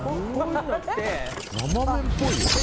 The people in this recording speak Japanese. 生麺っぽいよね。